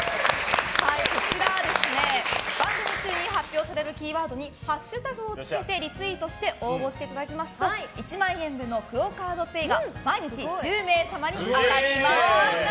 番組中に発表されるキーワードにハッシュタグをつけてリツイートしていただくと１万円分のＱＵＯカードＰａｙが毎日１０名様に当たります。